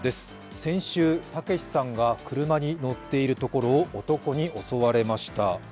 先週、たけしさんが車に乗っているところを男に襲われました。